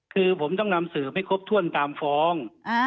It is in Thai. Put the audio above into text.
คือผมต้องนำสืบให้ครบถ้วนตามฟ้อง